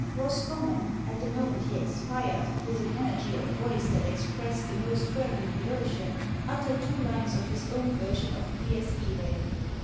Roscommon, at the moment he expired, with an energy of voice that expressed the most fervent devotion, uttered two lines of his own version of "Dies Iræ!"